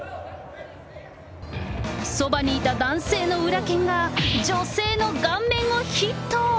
そばにいた男性の裏拳が女性の顔面をヒット！